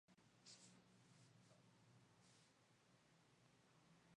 Otra sección contiene diversos elementos arquitectónicos y otra expone diversas inscripciones.